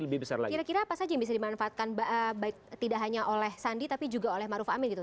kira kira apa saja yang bisa dimanfaatkan baik tidak hanya oleh sandi tapi juga oleh maruf amin gitu